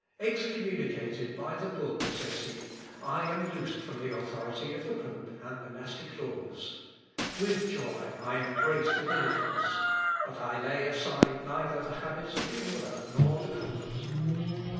"Excommunicated by the bull," says he, "I am loosed from the authority of the pope and monastic laws. With joy I embrace the deliverance. But I lay aside neither the habit of the order nor the convent."